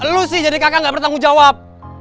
lu sih jadi kakak gak bertanggung jawab